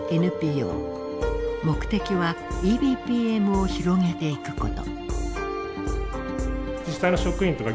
目的はＥＢＰＭを広げていくこと。